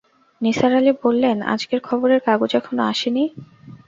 নিসার আলি বললেন, আজকের খবরের কাগজ এখনো আসে নি।